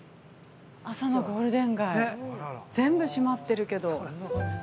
朝のゴールデン街全部閉まっているけど。